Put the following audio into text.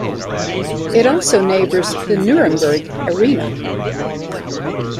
It also neighbors the Nuremberg Arena.